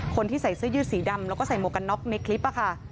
คนที่ใส่เสื้อยืดสีดำแล้วก็ใส่หมวกกันน็อกในคลิปค่ะ